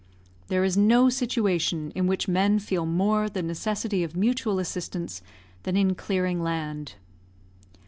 There is no situation in which men feel more the necessity of mutual assistance than in clearing land.